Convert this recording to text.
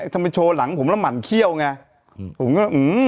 ทำไมโชว์หลังผมแล้วมันเขี้ยวไง